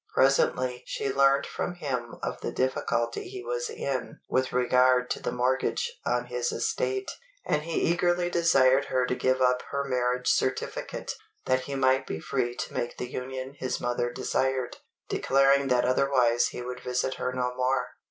Presently she learnt from him of the difficulty he was in with regard to the mortgage on his estate; and he eagerly desired her to give up her marriage certificate, that he might be free to make the union his mother desired, declaring that otherwise he would visit her no more.